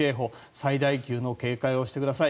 最大級の警戒をしてください。